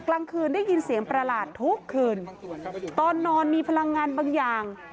กลางคืนได้ยินเสียงประหลาดทุกคืนตอนนอนมีพลังงานบางอย่าง